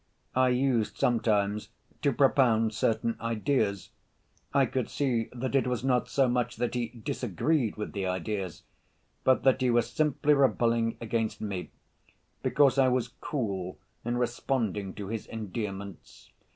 I used sometimes to propound certain ideas; I could see that it was not so much that he disagreed with the ideas, but that he was simply rebelling against me, because I was cool in responding to his endearments.